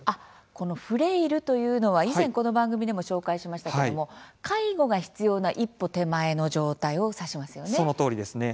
このフレイルというのは以前この番組でも紹介しましたけれども介護が必要なそのとおりですね。